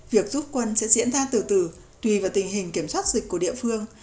việc rút quân sẽ diễn ra từ từ tùy vào tình hình kiểm soát dịch của địa phương